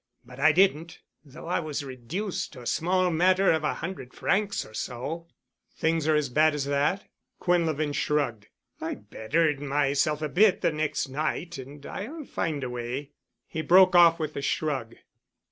But I didn't—though I was reduced to a small matter of a hundred francs or so." "Things are as bad as that——?" Quinlevin shrugged. "I bettered myself a bit the next night and I'll find a way——" He broke off with a shrug.